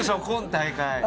今大会。